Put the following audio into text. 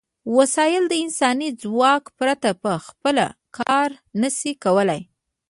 وسایل د انساني ځواک پرته په خپله کار نشي کولای.